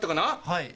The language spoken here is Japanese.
はい。